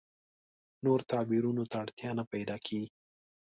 نور تعبیرونو اړتیا نه پیدا کېږي.